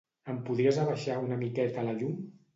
Em podries abaixar una miqueta la llum?